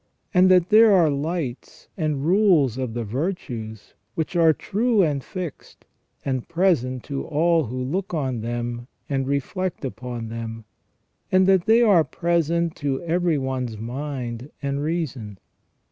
and that there are lights and rules of the virtues which are true and fixed, and present to all who look on them and reflect upon them, and that they are present to everyone's mind and reason.